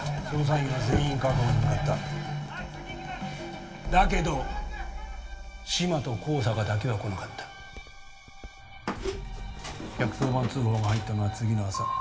捜査員は全員確保に向かっただけど志摩と香坂だけは来なかった１１０番通報が入ったのは次の朝